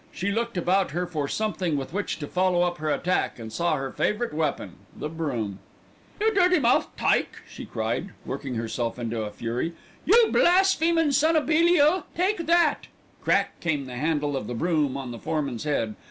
She looked about her for something with which to follow up her attack and saw her favourite weapon the broom. "You dirty mouthed tyke," she cried, working herself into a fury. "You blasphemin' son o' Belial, take that." Crack came the handle of the broom on the foreman's head.